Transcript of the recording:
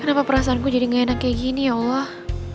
kenapa perasaanku jadi ngenak kayak gini ya allah